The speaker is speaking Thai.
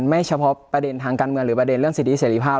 ไม่เฉพาะประเด็นทางการเมืองหรือประเด็นเรื่องสิทธิเสรีภาพ